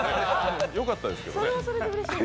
よかったですけどね。